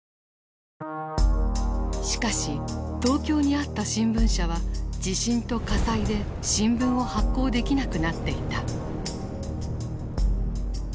しかし東京にあった新聞社は地震と火災で新聞を発行できなくなっていた。